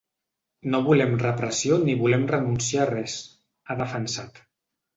No volem repressió ni volem renunciar a res, ha defensat.